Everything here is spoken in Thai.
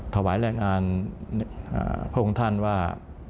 ถ่วงลายงานพวกคุณท่านว่า